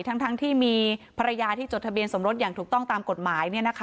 ทั้งทั้งที่มีภรรยาที่จดทะเบียนสมรสอย่างถูกต้องตามกฎหมายเนี้ยนะคะ